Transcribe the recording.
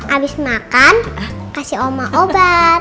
habis makan kasih oma obat